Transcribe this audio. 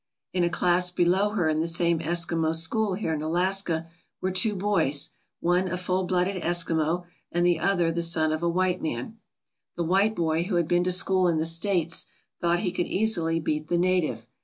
In a class below her in the same Eskimo school here in Alaska were two boys, one a full blooded Eskimo and the other the son of a white man. 216 AMONG THE ESKIMOS The white boy, who had been to school in the States, thought he could easily beat the native.